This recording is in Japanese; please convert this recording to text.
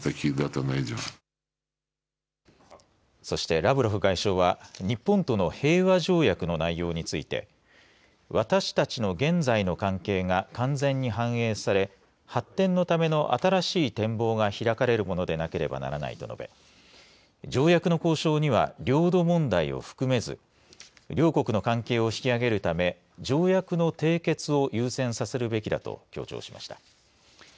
そしてラブロフ外相は日本との平和条約の内容について私たちの現在の関係が完全に反映され発展のための新しい展望が開かれるものでなければならないと述べ条約の交渉には領土問題を含めず両国の関係を引き上げるため条約の締結を優先させるべきだと強調しました。